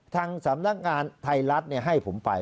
ทางสำนักงานไทยรัฐให้ผมไป